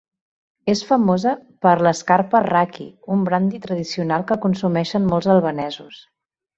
És famosa per l'Skrapar Raki, un brandi tradicional que consumeixen molts albanesos.